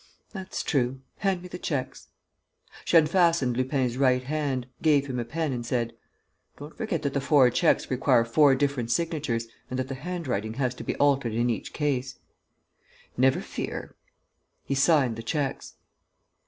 "That's true. Hand me the cheques." She unfastened Lupin's right hand, gave him a pen and said: "Don't forget that the four cheques require four different signatures and that the handwriting has to be altered in each case." "Never fear." He signed the cheques.